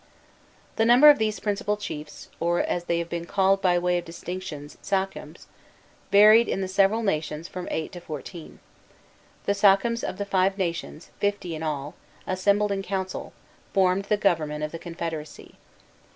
Lafitau, I. 471. The number of these principal chiefs, or, as they have been called by way of distinction, sachems, varied in the several nations from eight to fourteen. The sachems of the five nations, fifty in all, assembled in council, formed the government of the confederacy.